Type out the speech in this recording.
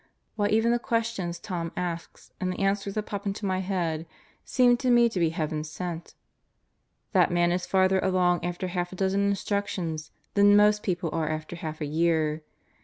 Why even the questions Tom asks and the answers that pop into my head seem to me to be heaven sent. That man is farther along after half a dozen instructions than most people are after half a year.